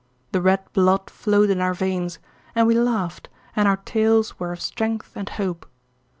The red blood flowed in our veins, and we laughed, and our tales were of strength and hope.